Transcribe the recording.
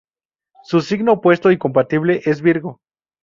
Su signo opuesto y compatible es Virgo.